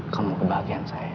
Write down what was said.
kamu kebahagiaan saya